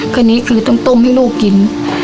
คราวนี้คือต้องต้มให้ลูกกิน